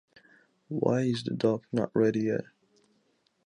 Why is the dog not ready yet?